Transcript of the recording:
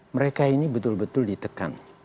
mereka ini betul betul ditekan